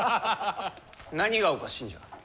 何がおかしいんじゃ。